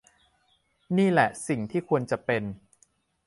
นี่แหละสิ่งที่ควรจะเป็น